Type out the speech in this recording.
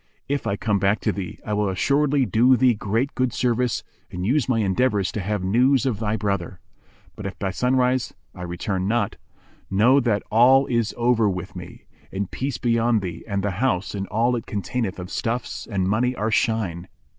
If I come back to thee, I will assuredly do thee great good service and use my endeavours to have news of thy brother; but if by sunrise I return not, know that all is over with me; and peace be on thee, and the house and all it containeth of stuffs and money are shine."